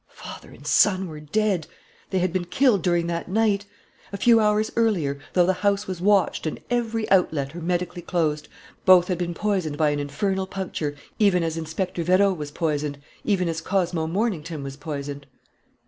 Father and son were dead! They had been killed during that night! A few hours earlier, though the house was watched and every outlet hermetically closed, both had been poisoned by an infernal puncture, even as Inspector Vérot was poisoned, even as Cosmo Mornington was poisoned.